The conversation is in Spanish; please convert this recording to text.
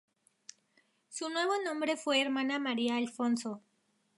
Su nuevo nombre fue Hermana María Alfonso.